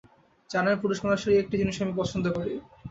জানেন, পুরুষমানুষের এই একটি জিনিস আমি পছন্দ করি।